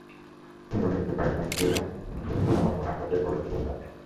নিকট অতীতে পাকিস্তানকে ছিঁড়ে খুঁড়ে ফেলা রঙ্গনা হেরাথকে গলে চেনাই যায়নি।